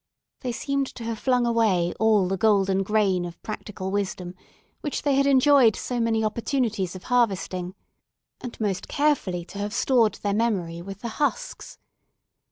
They seemed to have flung away all the golden grain of practical wisdom, which they had enjoyed so many opportunities of harvesting, and most carefully to have stored their memory with the husks.